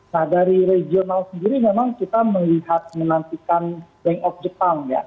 nah dari regional sendiri memang kita melihat menantikan bank of jepang ya